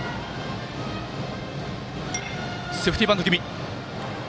セーフティーバント気味。